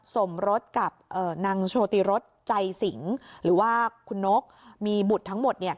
สมรสกับนางโชติรสใจสิงหรือว่าคุณนกมีบุตรทั้งหมด